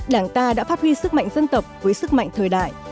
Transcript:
đảng ta đã phát huy sức mạnh dân tộc với sức mạnh thời đại